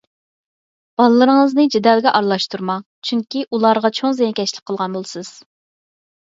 بالىلىرىڭىزنى جېدەلگە ئارىلاشتۇرماڭ! چۈنكى، ئۇلارغا چوڭ زىيانكەشلىك قىلغان بولىسىز.